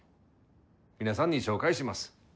皆さんに紹介します。